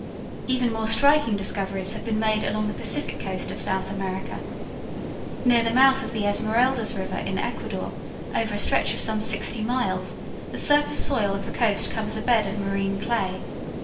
Even more striking discoveries have been made along the Pacific coast of South America. Near the mouth of the Esmeraldas river in Ecuador, over a stretch of some sixty miles, the surface soil of the coast covers a bed of marine clay.